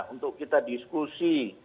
untuk kita diskusi